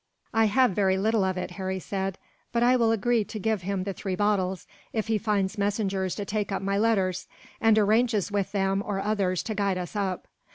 "I have very little of it," Harry said, "but I will agree to give him the three bottles, if he finds messengers to take up my letters; and arranges with them, or others, to guide us up."